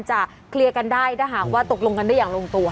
จะเคลียร์กันได้ถ้าหากว่าตกลงกันได้อย่างลงตัว